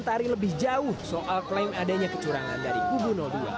tari lebih jauh soal klaim adanya kecurangan dari kubu dua